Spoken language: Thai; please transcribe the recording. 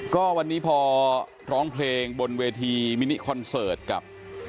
ก็วันนี้พอร้องเพลงบนเวทีมินิคอนเสิร์ตกับ